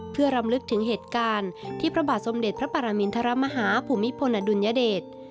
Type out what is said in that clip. เพื่อรำลึกถึงเหตุการณ์ที่พระบาทสมเด็จพระปรมินทรมาฮาภูมิพลอดุลยเดช